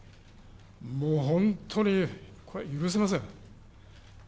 もう本当にこれ、許せません。